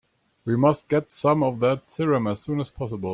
We must get some of that serum as soon as possible.